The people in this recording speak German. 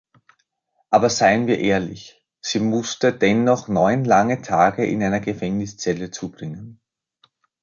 Aber seien wir ehrlich, sie musste dennoch neun lange Tage in einer Gefängniszelle zubringen.